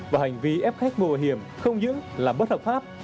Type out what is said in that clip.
và hành vi ép khách mũ bảo hiểm không những là bất hợp pháp